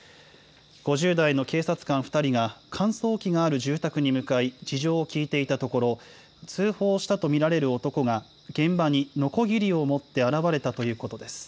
５０代の警察官２人が、乾燥機がある住宅に向かい、事情を聴いていたところ、通報したと見られる男が、現場にのこぎりを持って現れたということです。